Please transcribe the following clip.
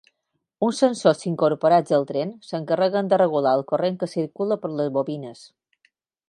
Uns sensors incorporats al tren, s'encarreguen de regular el corrent que circula per les bobines.